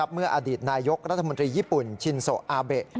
เมื่ออดีตนายกรัฐมนตรีญี่ปุ่นชินโซอาเบะ